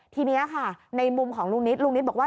ทีนี้ค่ะในมุมของลุงนิดลุงนิตบอกว่า